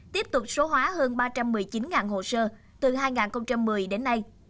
tiếp tục số hóa hơn ba trăm một mươi chín hồ sơ từ hai nghìn một mươi đến nay